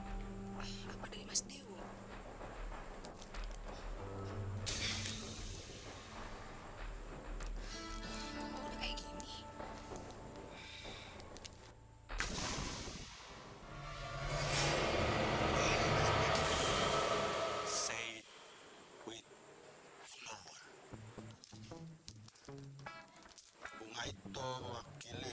tapi rupanya dia kagak kabuk kabuk juga